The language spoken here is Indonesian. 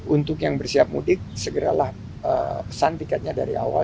untuk yang bersiap mudik segeralah pesan tiketnya dari awal